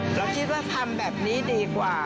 เราคิดว่าทำแบบนี้ดีกว่า